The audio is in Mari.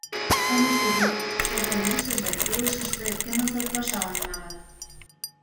— Омысо вӱд, шайтанешыже, илышыште йӧнысыр пашалан, маныт.